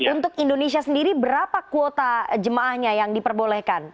untuk indonesia sendiri berapa kuota jemaahnya yang diperbolehkan